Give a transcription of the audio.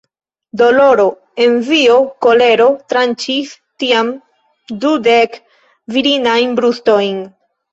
Doloro, envio, kolero tranĉis tiam dudek virinajn brustojn.